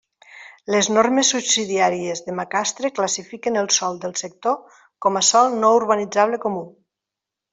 Les normes subsidiàries de Macastre classifiquen el sòl del sector com a sòl no urbanitzable comú.